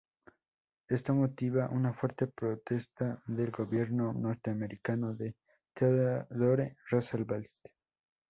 Esto motiva una fuerte protesta del gobierno norteamericano de Theodore Roosevelt.